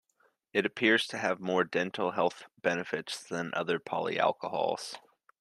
It appears to have more dental health benefits than other polyalcohols.